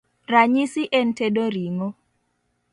Ranyisi en tedo ring'o: